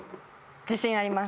自信あります